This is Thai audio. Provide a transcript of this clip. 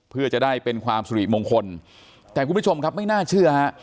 เพื่อจะได้เป็นความสุริมงคลแต่คุณผู้ชมครับไม่น่าเชื่อฮะ